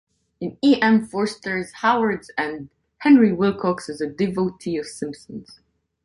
In E. M. Forster's "Howards End", Henry Wilcox is a devotee of Simpson's.